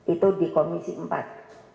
itu di komisi empat